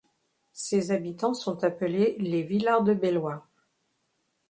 Ses habitants sont appelés les Villardebellois.